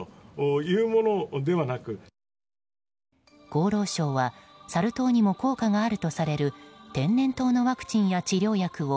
厚労省はサル痘にも効果があるとされる天然痘のワクチンや治療薬を